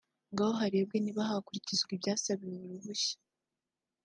ngo harebwe niba hakurikizwa ibyasabiwe uruhushya